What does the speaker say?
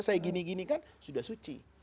saya gini ginikan sudah suci